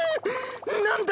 なんだ？